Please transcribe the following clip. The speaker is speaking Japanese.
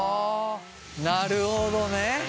なるほどね。